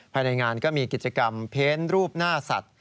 ภายในงานก็มีกิจกรรมเพ้นรูปหน้าสัตว์